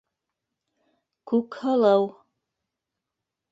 Күкһылыу...